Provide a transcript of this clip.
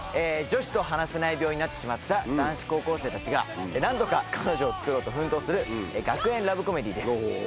女子と話せない病になってしまった男子高校生たちが何とか彼女をつくろうと奮闘する学園ラブコメディーです。